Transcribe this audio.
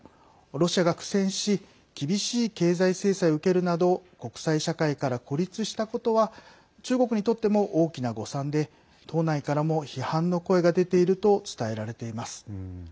ロシアが苦戦し厳しい経済制裁を受けるなど国際社会から孤立したことは中国にとっても、大きな誤算で党内からも批判の声が出ていると伝えられています。